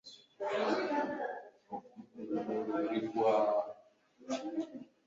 ashe alipata maambukizwa alipokuwa akiongezewa damu